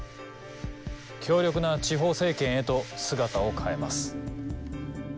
強力な地方政権へと姿を変えます。